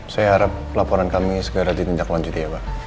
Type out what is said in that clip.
saya harap laporan kami segera ditinjak lanjut ya pak